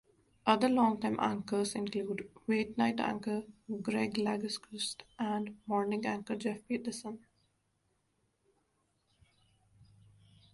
Other longtime Anchors include weeknight anchor Gregg Lagerquist and morning anchor Jeff Peterson.